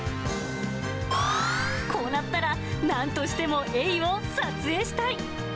こうなったらなんとしてもエイを撮影したい。